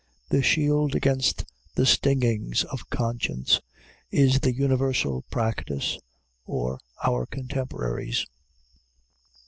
The shield against the stingings of conscience is the universal practice, or our contemporaries.